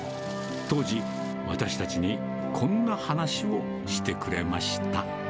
当時、私たちにこんな話をしてくれました。